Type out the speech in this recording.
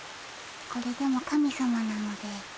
これでも神さまなので。